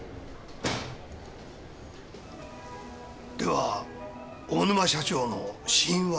では大沼社長の死因は？